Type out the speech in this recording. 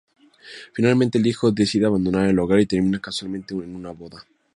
Finalmente el hijo decide abandonar el hogar y termina casualmente en una boda.